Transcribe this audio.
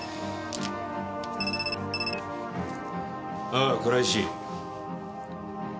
ああ倉石。